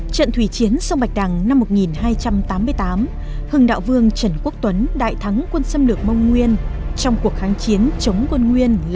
trận thủy chiến sông bạch đằng năm một nghìn hai trăm tám mươi tám hưng đạo vương trần quốc tuấn đại thắng quân xâm lược mông nguyên trong cuộc kháng chiến chống quân nguyên lần thứ năm